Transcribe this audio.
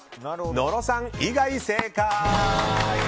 野呂さん以外、正解！